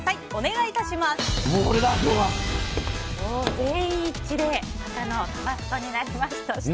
全員一致で赤のタバスコになりました。